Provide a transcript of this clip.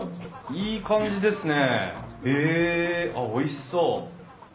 あっおいしそう。